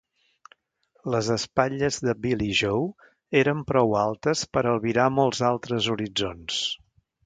Les espatlles de Billy Joe eren prou altes per a albirar molts altres horitzons.